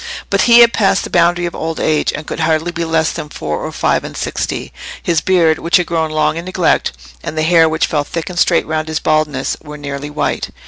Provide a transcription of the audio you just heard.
But he had passed the boundary of old age, and could hardly be less than four or five and sixty. His beard, which had grown long in neglect, and the hair which fell thick and straight round his baldness, were nearly white.